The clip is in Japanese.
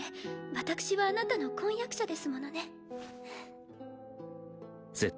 私はあなたの婚約者ですものね。